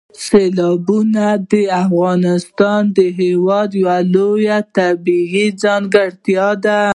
سیلابونه د افغانستان هېواد یوه لویه طبیعي ځانګړتیا ده.